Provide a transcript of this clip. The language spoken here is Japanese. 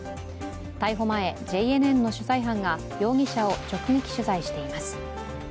逮捕前、ＪＮＮの取材班が容疑者を直撃取材しています。